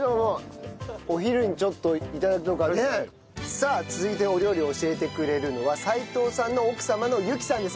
さあ続いてお料理を教えてくれるのは齊藤さんの奥様の友紀さんです。